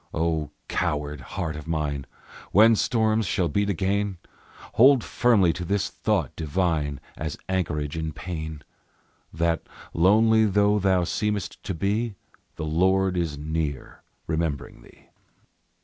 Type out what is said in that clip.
O coward heart of mine! When storms shall beat again, Hold firmly to this thought divine, As anchorage in pain: That, lonely though thou seemest to be, the Lord is near, remembering thee.